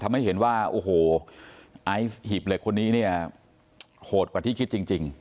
ทำให้เห็นว่าโอ้โหไอซ์หีบเหล็กคนนี้เนี่ยโหดกว่าที่คิดจริง